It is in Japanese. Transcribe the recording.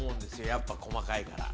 やっぱ細かいから。